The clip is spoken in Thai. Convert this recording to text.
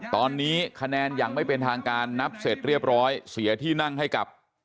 ตอนนี้คะแนนอย่างไม่เป็นทางการนับเสร็จเรียบร้อยเสียที่นั่งให้กับ